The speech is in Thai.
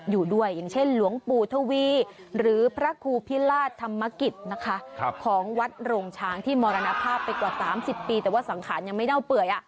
อยู่ด้วยอย่างเช่นหลวงปู่ทวีหรือพระครูพิราชธรรมกิจนะคะของวัดโรงช้างที่มรณภาพไปกว่า๓๐ปีแต่ว่าสังขารยังไม่เน่าเปื่อย